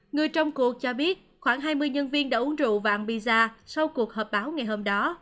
người trong cuộc cho biết khoảng hai mươi nhân viên đã uống rượu và ăn pizza sau cuộc hợp báo ngày hôm đó